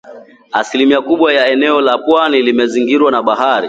Asilimia kubwa ya eneo la pwani limezingirwa na bahari.